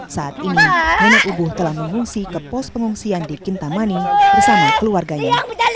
saat ini nenek ibu telah mengungsi ke pos pengungsian di kintamani bersama keluarganya